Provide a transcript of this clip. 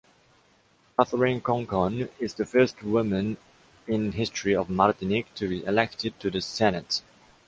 Catherine Conconne is the first women in history of Martinique to be elected to the Senate.